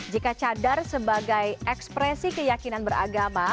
jika cadar sebagai ekspresi keyakinan beragama